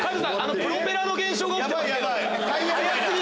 プロペラの現象が起きてます。